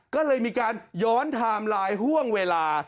ก็เลยมีการย้อนไทม์ไลน์ห่วงเวลา